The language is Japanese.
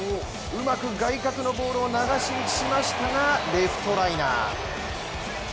うまく外角のボールを流し打ちしましたがレフトライナー。